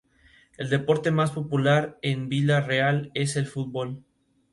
La mayor parte de sus obras son cuentos infantiles.